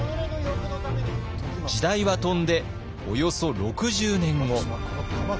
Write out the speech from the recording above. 時代は飛んでおよそ６０年後。